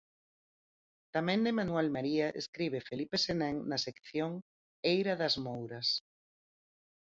Tamén de Manuel María escribe Felipe Senén na sección 'Eira das Mouras'.